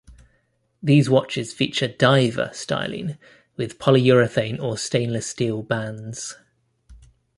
These watches feature "diver" styling with polyurethane or stainless steel bands.